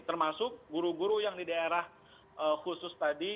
termasuk guru guru yang di daerah khusus tadi